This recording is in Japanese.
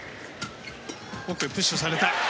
プッシュされた。